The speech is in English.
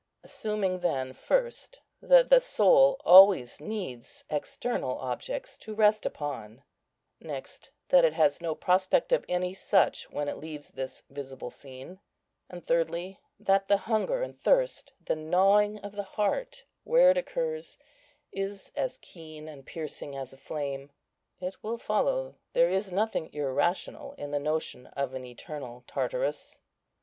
"Assuming then, first, that the soul always needs external objects to rest upon; next, that it has no prospect of any such when it leaves this visible scene; and thirdly, that the hunger and thirst, the gnawing of the heart, where it occurs, is as keen and piercing as a flame; it will follow there is nothing irrational in the notion of an eternal Tartarus."